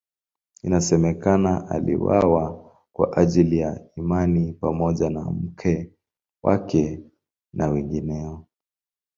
Inasemekana aliuawa kwa ajili ya imani pamoja na mke wake na wengineo.